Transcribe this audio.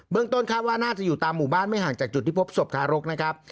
ต้นคาดว่าน่าจะอยู่ตามหมู่บ้านไม่ห่างจากจุดที่พบศพทารกนะครับ